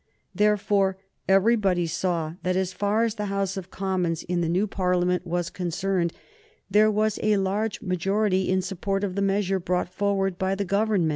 Therefore everybody saw that, as far as the House of Commons in the new Parliament was concerned, there was a large majority in support of the measure brought forward by the Government.